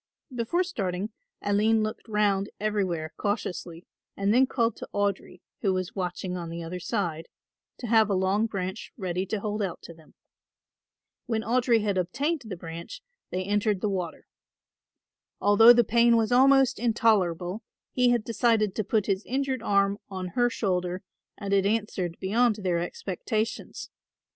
Before starting Aline looked round everywhere cautiously and then called to Audry, who was watching on the other side, to have a long branch ready to hold out to them. When Audry had obtained the branch they entered the water. Although the pain was almost intolerable he had decided to put his injured arm on her shoulder and it answered beyond their expectations.